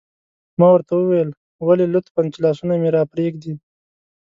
ما ورته وویل: ولې؟ لطفاً، چې لاسونه مې را پرېږدي.